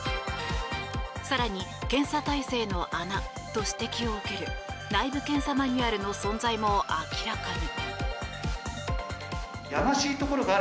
更に、検査体制の穴と指摘を受ける内部検査マニュアルの存在も明らかに。